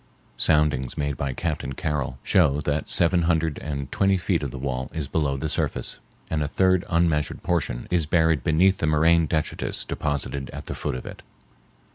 Soundings made by Captain Carroll show that seven hundred and twenty feet of the wall is below the surface, and a third unmeasured portion is buried beneath the moraine detritus deposited at the foot of it.